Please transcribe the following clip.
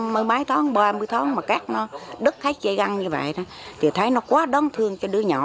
mấy tháng ba mươi tháng mà cắt nó đứt hãy chạy găng như vậy thì thấy nó quá đáng thương cho đứa nhỏ